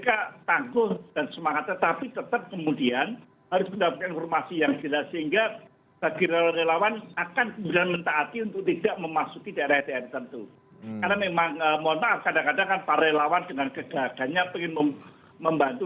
saya juga kontak dengan ketua mdmc jawa timur yang langsung mempersiapkan dukungan logistik untuk erupsi sumeru